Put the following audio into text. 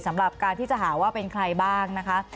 สำหรับการที่จะหาว่าเป็นใครบ้างนะคะ